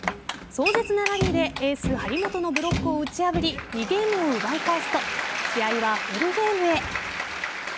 壮絶なラリーでエース・張本のブロックを打ち破り２ゲームを奪い返すと試合はフルゲームへ。